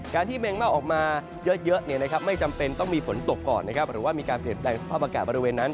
ที่แมงเม่าออกมาเยอะไม่จำเป็นต้องมีฝนตกก่อนนะครับหรือว่ามีการเปลี่ยนแปลงสภาพอากาศบริเวณนั้น